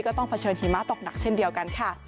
ต้องเผชิญหิมะตกหนักเช่นเดียวกันค่ะ